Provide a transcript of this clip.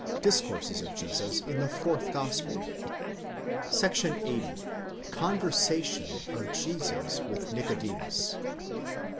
DISCOURSES OF JESUS IN THE FOURTH GOSPEL. § 80. CONVERSATION OF JESUS WITH NICODEMUS.